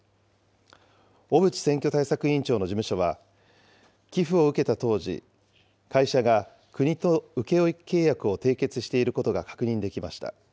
小渕選挙対策委員長の事務所は、寄付を受けた当時、会社が国と請負契約を締結していることが確認できました。